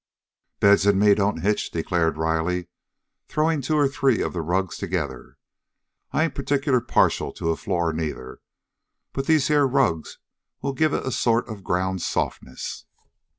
"Beds and me don't hitch" declared Riley, throwing two or three of the rugs together. "I ain't particular partial to a floor, neither, but these here rugs will give it a sort of a ground softness."